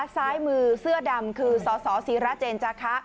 ซ้ายมือเสื้อดำคือสสิระเจนจาคะ